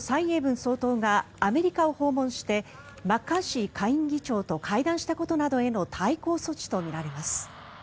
台湾の蔡英文総統がアメリカを訪問してマッカーシー下院議長と会談したことなどへの対抗措置とみられます。